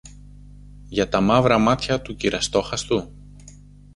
Για τα μαύρα μάτια του κυρ-Αστόχαστου;